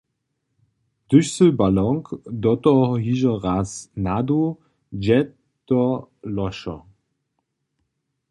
Hdyž sy balonk do toho hižo raz naduł, dźe to lóšo.